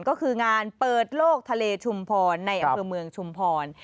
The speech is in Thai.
ก็คืองานเปิดโลกทะเลชุมพรในอำเภอเมืองชุมพร